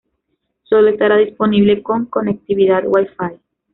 Solo estará disponible con conectividad Wi-Fi.